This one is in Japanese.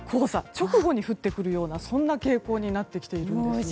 直後に降ってくるようなそんな傾向になってきているんです。